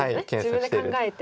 自分で考えて。